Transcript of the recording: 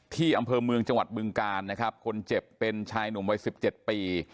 ที่อำเภอเมืองจังหวัดบึงกาลนะครับคนเจ็บเป็นชายหนุ่มวัยสิบเจ็ดปี